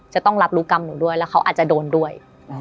จะต้องรับรู้กรรมหนูด้วยแล้วเขาอาจจะโดนด้วย